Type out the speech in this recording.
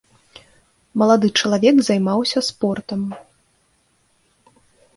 Малады чалавек займаўся спортам.